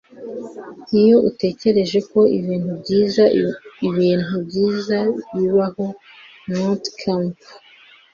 iyo utekereje ko ibintu byiza, ibintu byiza bibaho. - mat kemp